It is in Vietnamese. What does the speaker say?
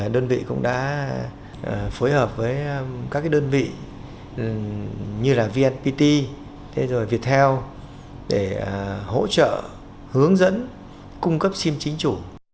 đơn vị cũng đã phối hợp với các đơn vị như vnpt rồi viettel để hỗ trợ hướng dẫn cung cấp sim chính chủ